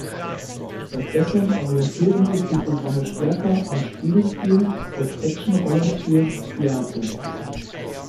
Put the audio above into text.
Stattdessen orientieren sich die Programme stärker am Spielstil des Action-Rollenspiels "Diablo".